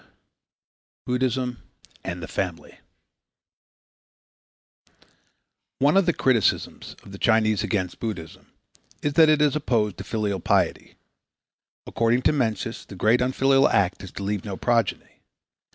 V BUDDHISM AND THE FAMILY One of the criticisms of the Chinese against Buddhism is that it is opposed to filial piety. According to Mencius the greatest unfilial act is to leave no progeny.